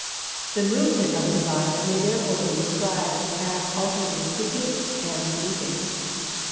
The movement of a divide may therefore be described as alternately creeping and leaping.